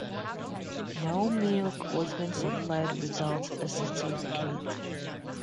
No milk was being supplied without a certificate.